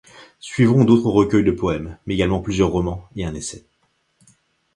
Suivront d'autres recueils de poèmes, mais également plusieurs romans et un essai.